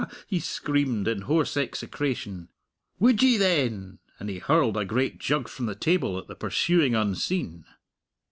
he screamed, in hoarse execration. "Would ye, then?" and he hurled a great jug from the table at the pursuing unseen.